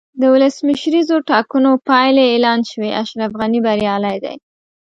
د ولسمشریزو ټاکنو پایلې اعلان شوې، اشرف غني بریالی دی.